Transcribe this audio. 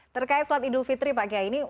terkait sholat idul fitri pagi hari ini